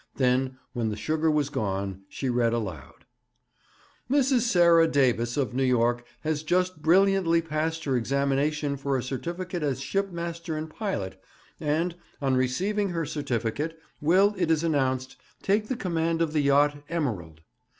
Then, when the sugar was gone, she read aloud: '"Mrs. Sarah Davis, of New York, has just brilliantly passed her examination for a certificate as shipmaster and pilot, and, on receiving her certificate, will, it is announced, take the command of the yacht Emerald.